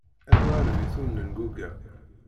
Anwa arebit ur nenguga.